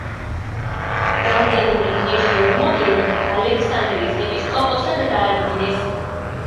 რამდენიმე დღეში ერმოგენი ალექსანდრიის ეპისკოპოსად დაადგინეს.